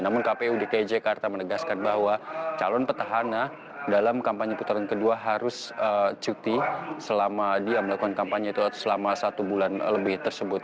namun kpu dki jakarta menegaskan bahwa calon petahana dalam kampanye putaran kedua harus cuti selama dia melakukan kampanye itu selama satu bulan lebih tersebut